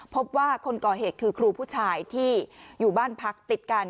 พบว่าคนก่อเหตุคือครูผู้ชายที่อยู่บ้านพักติดกัน